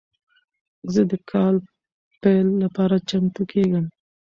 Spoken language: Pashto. زه د کال پیل لپاره چمتو کیږم.